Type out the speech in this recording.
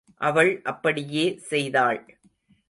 அவள் அப்படியே செய்தாள்.